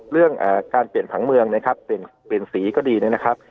เรื่องการเปลี่ยนผังเมืองนะครับเปลี่ยนเปลี่ยนสีก็ดีนะครับ